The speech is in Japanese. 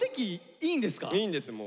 いいんですもう。